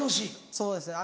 そうですね